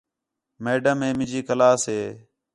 میڈم ہے مینجی کلاس ہے